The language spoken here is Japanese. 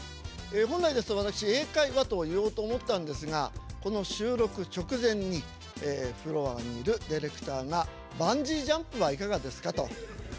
本来ですと私英会話と言おうと思ったんですがこの収録直前にフロアにいるディレクターが「バンジージャンプはいかがですか」と。